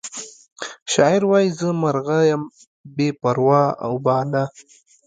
شاعر وایی زه مرغه یم بې پر او باله